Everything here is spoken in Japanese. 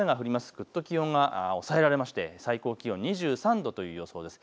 ぐっと気温が抑えられて最高気温２３度という予想です。